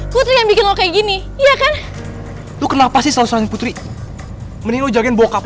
putri yang bikin lo kayak gini iya kan lu kenapa sih selalu putri menilai jalan bokap